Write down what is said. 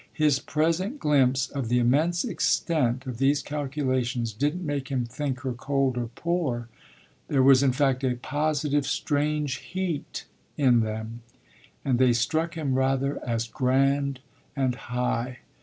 His present glimpse of the immense extent of these calculations didn't make him think her cold or poor; there was in fact a positive strange heat in them and they struck him rather as grand and high.